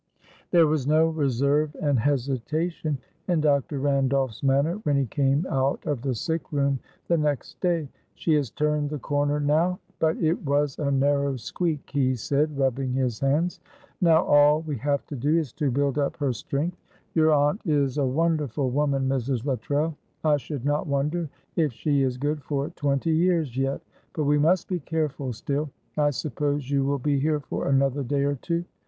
There was no reserve and hesitation in Dr. Randolph's manner when he came out of the sick room the next day. "She has turned the corner now, but it was a narrow squeak," he said, rubbing his hands. "Now, all we have to do is to build up her strength. Your aunt is a wonderful woman, Mrs. Luttrell. I should not wonder if she is good for twenty years yet, but we must be careful still. I suppose you will be here for another day or two?